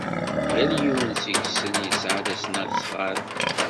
Yal yiwen seg-sen yesɛa tasnasɣalt.